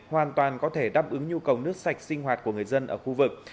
hoàn toàn có thể đáp ứng nhu cầu nước sạch sinh hoạt của người dân ở khu vực